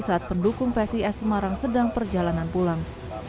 saat pendukung psi es semarang sedang perjalanan pulang